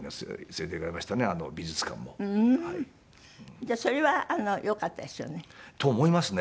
じゃあそれはよかったですよね。と思いますね。